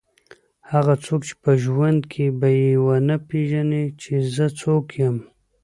هغه څوک چې په ژوند کې به یې ونه پېژني چې زه څوک یم.